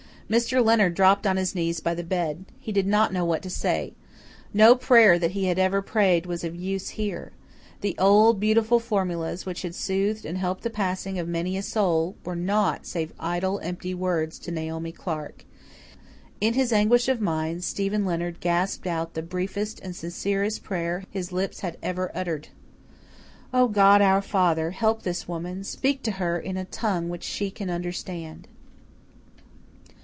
Mr. Leonard dropped on his knees by the bed. He did not know what to say. No prayer that he had ever prayed was of use here. The old, beautiful formulas, which had soothed and helped the passing of many a soul, were naught save idle, empty words to Naomi Clark. In his anguish of mind Stephen Leonard gasped out the briefest and sincerest prayer his lips had ever uttered. "O, God, our Father! Help this woman. Speak to her in a tongue which she can understand."